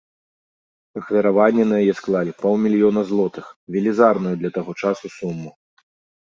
Ахвяраванні на яе склалі паўмільёна злотых, велізарную для таго часу суму.